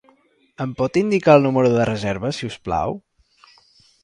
Em pot indicar el número de reserva, si us plau?